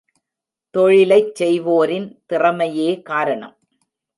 தொழிலைச் செய்வோரின் திறமையே காரணம்.